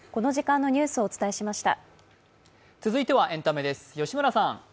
続いてはエンタメです。